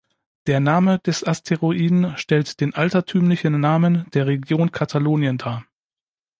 Der Name des Asteroiden stellt den altertümlichen Namen der Region Katalonien dar.